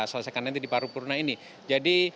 selesaikan nanti di paru purna ini jadi